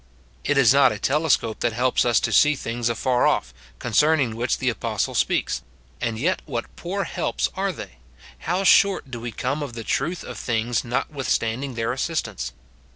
It is not a telescope that helps us to see things afar off, concerning which the apostle speaks ; and yet what poor helps are they ! how short do we come of the truth of things notwithstanding their assistance